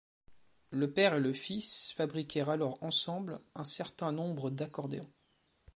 Le père et le fils fabriquèrent alors ensembles un certain nombre daccordéons.